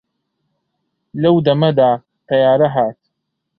لەو دەمەدا تەیارە هات